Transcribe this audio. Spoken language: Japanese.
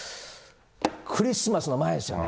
クリスマスの前ですよね。